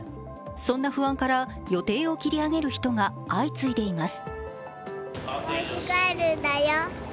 そんな不安から予定を切り上げる人が相次いでいます。